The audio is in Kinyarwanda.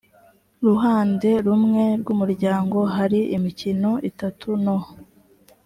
ruhande rumwe rw umuryango hari imikono itanu no